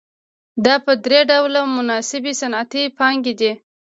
دا په درې ډوله مناسبې صنعتي پانګې دي